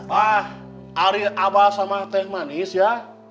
pak dari abah sama teh manis ya